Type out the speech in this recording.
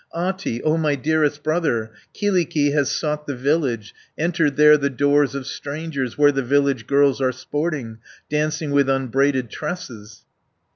"Ahti, O my dearest brother, 20 Kyllikki has sought the village, Entered there the doors of strangers, Where the village girls are sporting, Dancing with unbraided tresses."